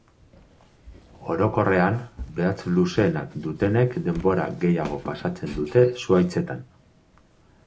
Orokorrean, behatz luzeenak dutenek denbora gehiago pasatzen dute zuhaitzetan.